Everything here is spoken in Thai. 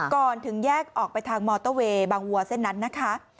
ก่อนถึงแยกออกไปทางมอเตอร์เวย์บางวัวเส้นนั้นนะคะ